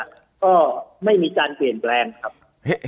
ก็ไม่มีการเปลี่ยนแปลงครับ